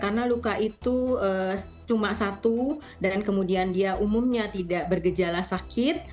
karena luka itu cuma satu dan kemudian dia umumnya tidak bergejala sakit